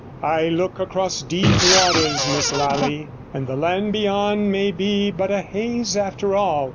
I look across deep waters, Miss Lally, and the land beyond may be but a haze after all.